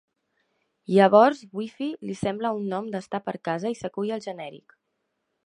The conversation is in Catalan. Llavors Wifi li sembla un nom d'estar per casa i s'acull al genèric.